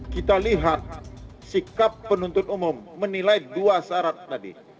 kita lihat sikap penuntut umum menilai dua syarat tadi